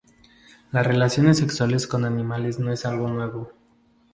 Las relaciones sexuales con animales no es algo nuevo.